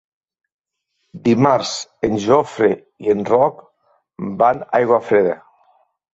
Dimarts en Jofre i en Roc van a Aiguafreda.